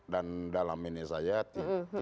dan dalam ini saya hati